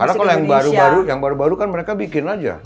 karena kalau yang baru baru kan mereka bikin aja